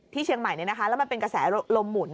เชียงใหม่แล้วมันเป็นกระแสลมหมุน